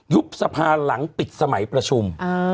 สภาหลังปิดสมัยประชุม